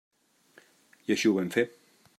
I així ho vam fer.